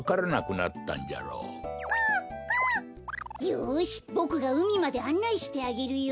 よしボクがうみまであんないしてあげるよ！